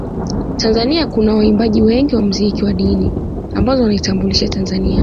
Tanzania kuna waimbaji wengi wa mziki wa dini ambao wanaitambulisha Tanzania